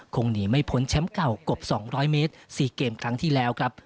หนีไม่พ้นแชมป์เก่ากบ๒๐๐เมตร๔เกมครั้งที่แล้วครับ